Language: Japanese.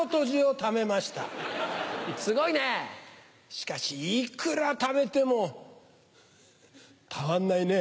しかしいくらためてもたまんないねぇ。